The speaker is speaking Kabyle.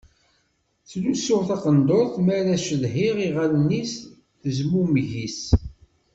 Ttlusuɣ taqendurt mi ara cedhiɣ iɣallen-is d uzmumeg-is.